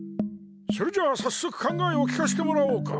それじゃあさっそく考えを聞かしてもらおうか。